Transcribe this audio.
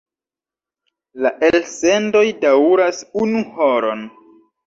La elsendoj daŭras unu horon.